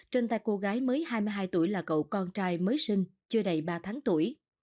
trên tay cô gái mới hai mươi hai tuổi là cậu con trai mới sinh chưa đầy ba tháng tuổi